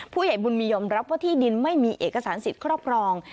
ผู้ใหญ่บุญมียอมรับว่าที่ดินไม่มีเอกสารสิทธิ์ครอบครอง